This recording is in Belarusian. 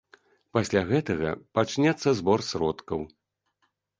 Пасля гэтага пачнецца збор сродкаў.